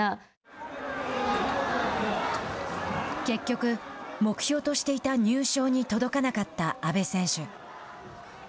結局、目標としていた入賞に届かなかった阿部選手。